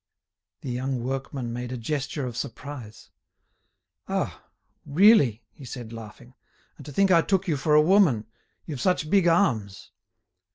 The young workman made a gesture of surprise. "Ah! really!" he said, laughing, "and to think I took you for a woman! You've such big arms."